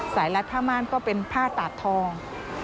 สายรัฐพระม่านก็เป็นผ้าตาดทอง